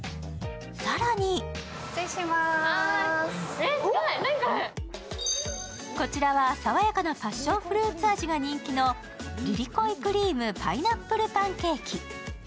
更にこちらは、さわやかなパッションフルーツ味が人気のリリコイクリーム・パイナップル・パンケーキ。